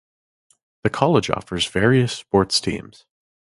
The college offers various sports teams.